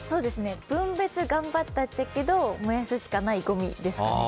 分別頑張ったちゃけど燃やすしかないごみ、ですかね。